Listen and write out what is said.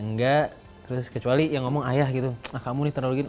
enggak terus kecuali yang ngomong ayah gitu ah kamu nih terlalu gini